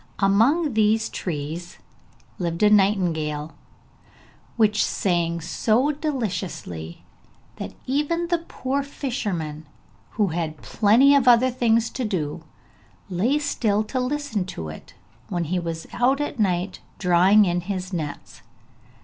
Among these trees lived a nightingale, which sang so deliciously, that even the poor fisherman, who had plenty of other things to do, lay still to listen to it, when he was out at night drawing in his nets.